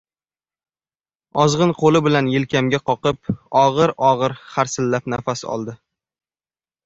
Ozg‘in qo‘li bilan yelkamga qoqib, og‘ir-og‘ir harsillab nafas oldi.